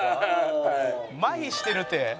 「まひしてるって」